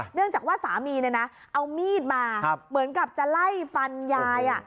เนื่องจากว่าสามีเนี่ยนะเอามีดมาเหมือนกับจะไล่ฟันยาย